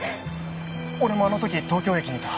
俺もあの時東京駅にいた。